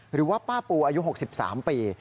หรือว่าป้าปูอายุ๖๓ปี